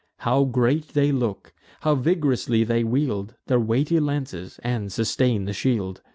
How great they look! how vig'rously they wield Their weighty lances, and sustain the shield!